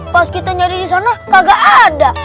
pas kita nyari di sana kagak ada